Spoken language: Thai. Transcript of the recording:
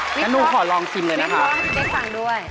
แล้วหนูขอลองกินเลยนะครับ